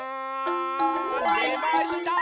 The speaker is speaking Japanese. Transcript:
でました！